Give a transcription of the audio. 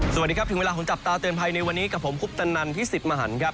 สวัสดีครับถึงเวลาของจับตาเตือนภัยในวันนี้กับผมคุปตนันพิสิทธิ์มหันครับ